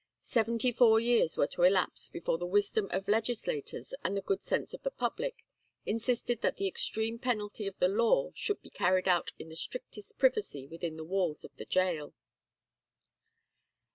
Seventy four years were to elapse before the wisdom of legislators and the good sense of the public insisted that the extreme penalty of the law should be carried out in strictest privacy within the walls of the gaol.